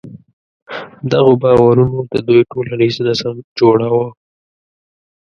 دغو باورونو د دوی ټولنیز نظم جوړاوه.